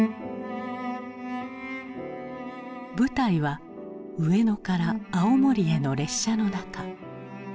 舞台は上野から青森への列車の中。